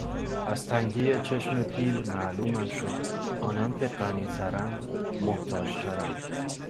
از تنگی چشم پیل معلومم شد آنان که غنی ترند محتاج ترند